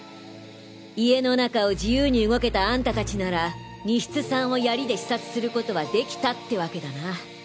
家の中を自由に動けたあんたたちなら西津さんを槍で刺殺する事は出来たってわけだな！